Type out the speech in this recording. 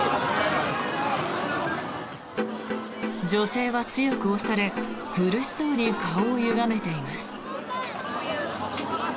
女性は強く押され苦しそうに顔をゆがめています。